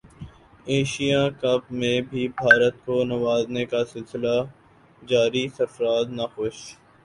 Asia Cup میں بھی بھارت کو نوازنے کا سلسلہ جاری سرفراز ناخوش